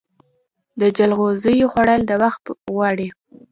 د جلغوزیو خوړل وخت غواړي.